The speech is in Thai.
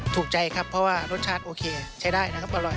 ถูกใจครับเพราะว่ารสชาติโอเคใช้ได้นะครับอร่อย